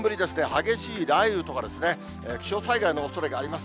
激しい雷雨とかですね、気象災害のおそれがあります。